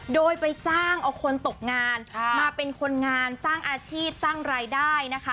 โดยไปจ้างเอาคนตกงานมาเป็นคนงานสร้างอาชีพสร้างรายได้นะคะ